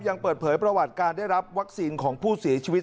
ยังเปิดเผยประวัติการได้รับวัคซีนของผู้เสียชีวิต